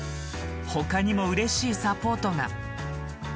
他にも、うれしいサポートが。